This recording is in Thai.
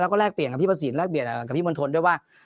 แล้วก็แลกเปลี่ยนกับพี่ประสิทธิแลกเปลี่ยนกับพี่มณฑลด้วยว่า